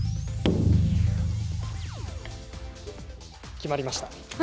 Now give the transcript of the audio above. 決まりました。